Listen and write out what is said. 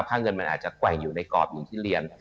เงินมันอาจจะแกว่งอยู่ในกรอบหนึ่งที่เรียน